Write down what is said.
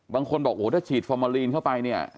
บางคนบอกว่าถ้าฉีดฟอร์มาลีนเข้าไป